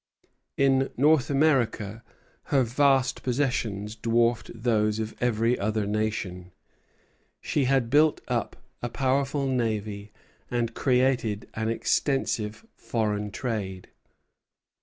In North America her vast possessions dwarfed those of every other nation. She had built up a powerful navy and created an extensive foreign trade.